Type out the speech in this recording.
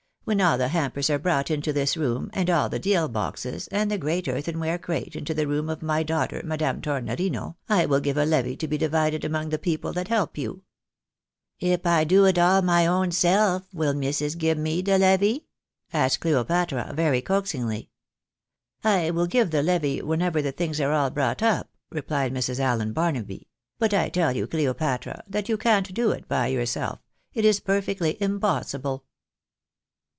When all the hampers are brought into this room, and all the deal boxes, and the great earthenware crate into the room of my daughter, Madame Tornorino, I will give a ievy to be divided among the people that help you." " lb I do it all my own self, wiH missis gib me the levy ?" asked Cleopatra, very coaxingly. " I will give the levy whenever the things are all brought up," replied Mrs. Allen Barnaby ;" but I teU you, Cleopatra, that you can't do it by yourself; it is perfectly impossible."